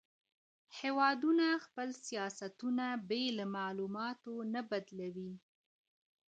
هیوادونه خپل سیاستونه بې له معلوماتو نه بدلوي.